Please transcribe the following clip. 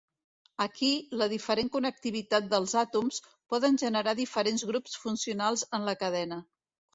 Aquí, la diferent connectivitat dels àtoms, poden generar diferents grups funcionals en la cadena.